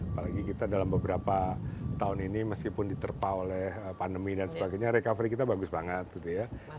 apalagi kita dalam beberapa tahun ini meskipun diterpah oleh pandemi dan sebagainya recovery kita bagus banget gitu ya